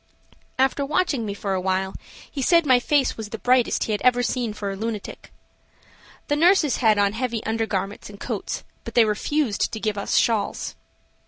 After watching me for awhile he said my face was the brightest he had ever seen for a lunatic. The nurses had on heavy undergarments and coats, but they refused to give us shawls.